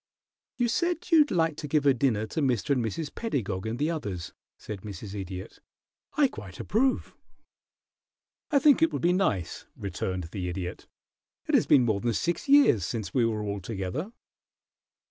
"You said you'd like to give a dinner to Mr. and Mrs. Pedagog and the others," said Mrs. Idiot. "I quite approve." "I think it would be nice," returned the Idiot. "It has been more than six years since we were all together."